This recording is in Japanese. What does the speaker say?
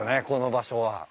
この場所は。